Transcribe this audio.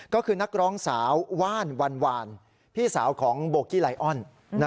ก็คือนักร้องสาวว่านวันวานพี่สาวของโบกี้ไลออน